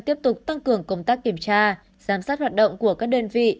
tiếp tục tăng cường công tác kiểm tra giám sát hoạt động của các đơn vị